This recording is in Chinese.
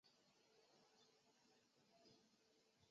书面使用拉丁字母。